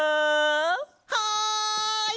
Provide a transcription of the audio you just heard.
はい！